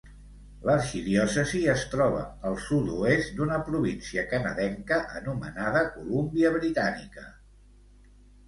L'arxidiòcesi es troba al sud-oest d'una província canadenca anomenada Colúmbia britànica.